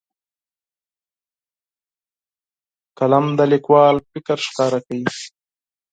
قلم د لیکوال فکر ښکاره کوي.